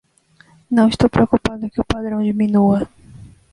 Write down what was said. Não estou preocupado que o padrão diminua.